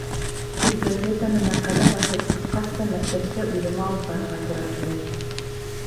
Тик газетаны, мәҡәлә баҫылып сыҡҡас та, мәктәпкә үҙемә алып барырға тура килер.